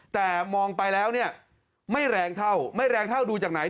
แต่มองไปแล้วเนี่ยไม่แรงเท่าไม่แรงเท่าดูจากไหน